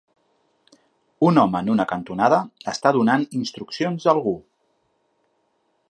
Un home en una cantonada està donant instruccions a algú.